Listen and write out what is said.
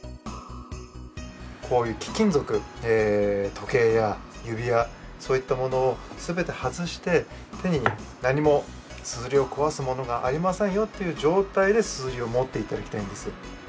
こういう貴金属時計や指輪そういったものをすべて外して手に何も硯を壊すものがありませんよっていう状態で硯を持って頂きたいんです。